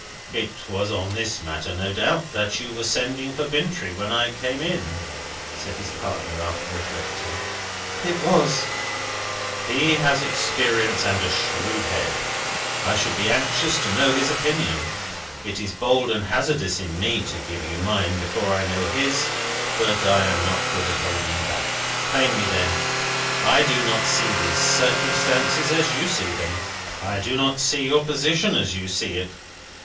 "It was on this matter, no doubt, that you were sending for Bintrey when I came in?" said his partner, after reflecting. "It was." "He has experience and a shrewd head; I shall be anxious to know his opinion. It is bold and hazardous in me to give you mine before I know his, but I am not good at holding back. Plainly, then, I do not see these circumstances as you see them. I do not see your position as you see it.